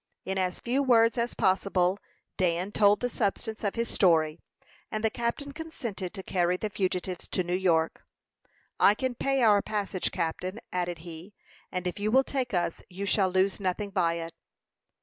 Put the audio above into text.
In as few words as possible Dan told the substance of his story, and the captain consented to carry the fugitives to New York. "I can pay our passage, captain," added he; "and if you will take us you shall lose nothing by it."